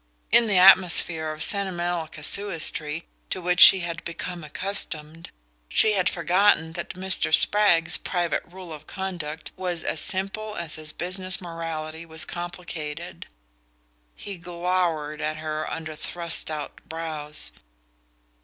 In the atmosphere of sentimental casuistry to which she had become accustomed, she had forgotten that Mr. Spragg's private rule of conduct was as simple as his business morality was complicated. He glowered at her under thrust out brows.